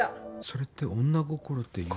それって女心っていう？